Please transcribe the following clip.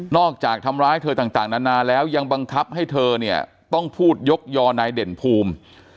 จากทำร้ายเธอต่างนานาแล้วยังบังคับให้เธอเนี่ยต้องพูดยกยอนายเด่นภูมิ